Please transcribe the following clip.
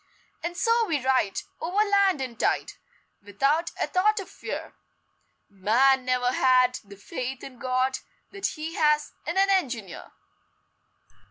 And so we ride Over land and tide, Without a thought of fear Man never had The faith in God That he has in an engineer!